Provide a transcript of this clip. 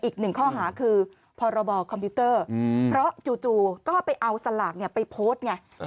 อีกหนึ่งข้อหาคือพรบคอมพิวเตอร์เพราะจู่ก็ไปเอาสลากไปโพสต์ไง